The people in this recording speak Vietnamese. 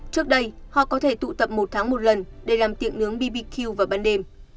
trước đây họ có thể tụ tập một tháng một lần để làm tiện nướng bbq vào ban đêm